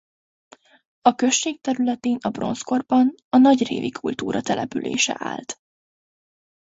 A község területén a bronzkorban a nagyrévi kultúra települése állt.